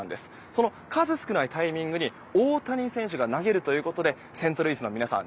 その数少ないタイミングに大谷選手が投げるということでセントルイスの皆さん